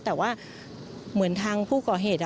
แต่ว่าเหมือนทางผู้ก่อเหตุ